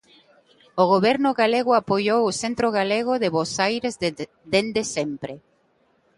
O Goberno galego apoiou o Centro Galego de Bos Aires dende sempre.